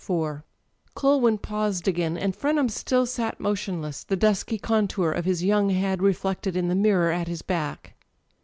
IV CuLWiN paused again, and Frenham still sat motion less, the dusky contour of his young head reflected in the mirror at his back.